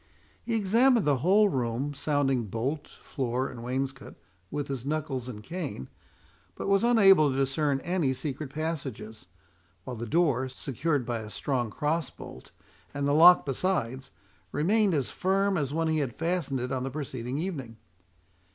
He examined the whole room, sounding bolt, floor, and wainscot with his knuckles and cane, but was unable to discern any secret passages; while the door, secured by a strong cross bolt, and the lock besides, remained as firm as when he had fastened it on the preceding evening.